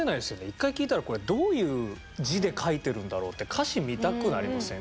一回聴いたらこれどういう字で書いてるんだろうって歌詞見たくなりません？